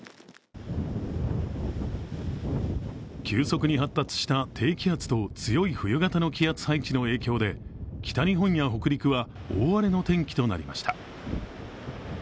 急速に発達した低気圧と強い冬型の気圧配置の影響で、北日本や北陸は大荒れの天気となりました。